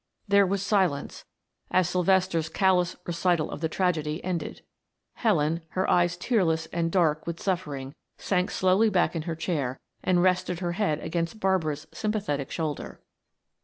There was silence as Sylvester's callous recital of the tragedy ended. Helen, her eyes tearless and dark with suffering, sank slowly back in her chair and rested her head against Barbara's sympathetic shoulder.